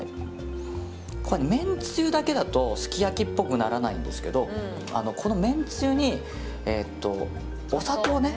これ、めんつゆだけだとすき焼きっぽくならないんですけどこのめんつゆに、お砂糖ね。